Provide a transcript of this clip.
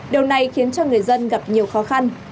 điều này khiến cho người dân gặp nhiều khó khăn